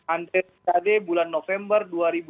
antre tadi bulan november dua ribu sembilan belas